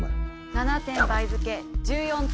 ７点倍付け１４点。